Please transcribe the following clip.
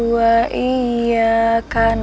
tapi enggak apa tan